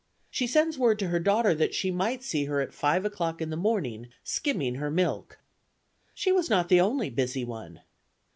She sends word to her daughter that she might see her at five o'clock in the morning, skimming her milk. She was not the only busy one.